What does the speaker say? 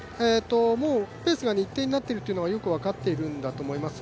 ペースが一定になっているのがよく分かっているんだと思います。